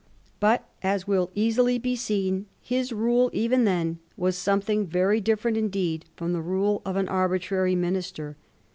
But as will easily be seen, hia rule even then was something very different indeed from the rule of an arbitrary minister.